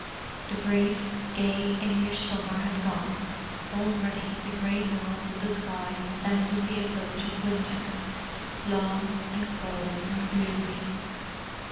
The brief, gay English summer had gone; already the grey heralds of the sky sounded the approach of winter, long and cold and gloomy.